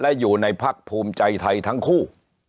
และอยู่ในพักภูมิใจไทยทั้งคู่